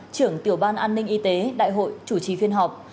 trưởng tiểu ban an ninh y tế đại hội chủ trì phiên họp